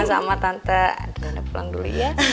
sama sama tante kita pulang dulu ya